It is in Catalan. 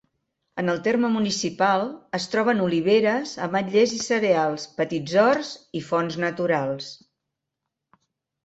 En el terme municipal es troben oliveres, ametllers i cereals, petits horts i fonts naturals.